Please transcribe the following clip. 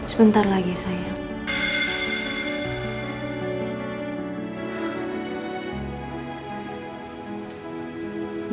sebentar lagi sayang